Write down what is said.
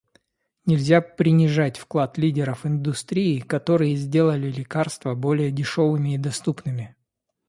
Нельзя принижать вклад лидеров индустрии, которые сделали лекарства более дешевыми и доступными.